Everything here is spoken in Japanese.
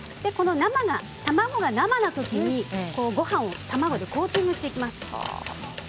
卵が生のときにごはんを卵でコーティングしていきます。